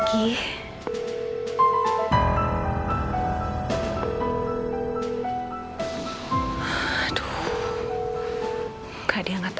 kayaknya apa yang aku lagi hubungi dia